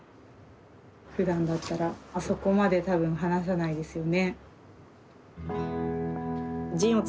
ふだんだったらそこまで多分話さないですよね。